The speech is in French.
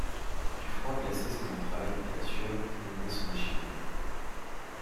Du froid glaçait ses entrailles et la sueur inondait son échine.